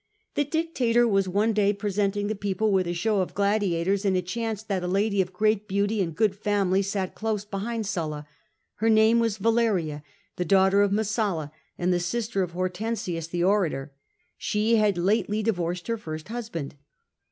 '"The dictator was one day presenting the people with a show of gladiators, and it chanced that a lady of great beauty and good family sat close behind Sulla. Her name was Valeria, the daughter of Messala, and the sister of Hortensius the orator : she had lately divorced her first husband.